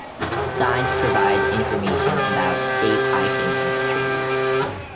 Signs provide information about safe hiking on the trail.